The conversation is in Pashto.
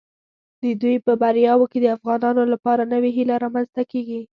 د دوی په بریاوو کې د افغانانو لپاره نوې هیله رامنځته کیږي.